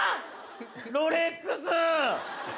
ロレックス。